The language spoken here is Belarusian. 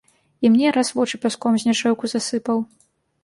І мне раз вочы пяском знячэўку засыпаў.